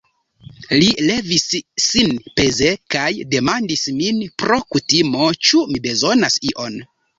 Li levis sin peze kaj demandis min, pro kutimo, ĉu mi bezonas ion.